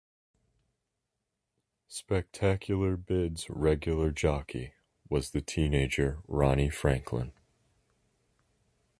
Spectacular Bid's regular jockey was the teenager Ronnie Franklin.